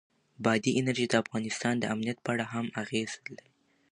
بادي انرژي د افغانستان د امنیت په اړه هم اغېز لري.